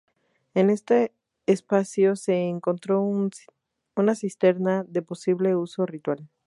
En este espacio se encontró una cisterna de posible uso ritual.